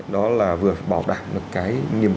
đó là vừa bảo đảm một cái